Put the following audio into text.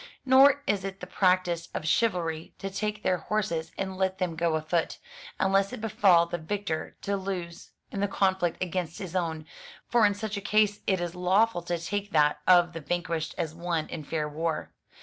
Nor is it the practice of chivalry to take their horses and let them go afoot; unless it befall the victor to lose in the conflict against his own; for in such a case it is lawful to take that of the vanquished as won in fair war.